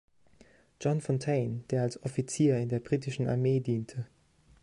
John Fontaine, der als Offizier in der britischen Armee diente.